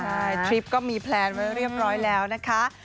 ใช่ทริปก็มีแพลนไว้เรียบร้อยแล้วนะคะ